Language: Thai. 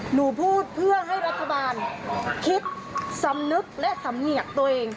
หนูพูดเพื่อให้รัฐบาลคิดสำนึกและสำเนียกตัวเอง